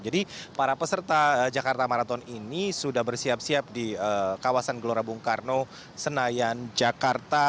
jadi para peserta jakarta marathon ini sudah bersiap siap di kawasan gelora bung karno senayan jakarta